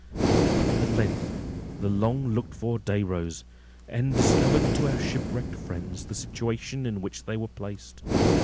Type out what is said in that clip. At length the long looked for day rose, and discovered to our shipwrecked friends the situation in which they were placed.